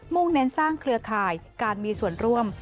่งเน้นสร้างเครือข่ายการมีส่วนร่วม